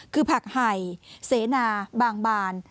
คือผักไห่เสนาบางบาน